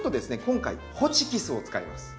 今回ホチキスを使います。